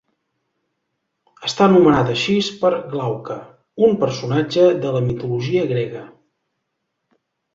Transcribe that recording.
Està nomenat així per Glauca, un personatge de la mitologia grega.